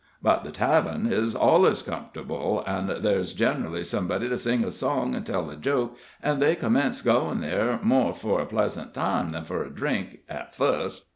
But the tavern is allus comfortable, an' ther's generally somebody to sing a song and tell a joke, an' they commence goin' ther' more fur a pleasant time than for a drink, at fust.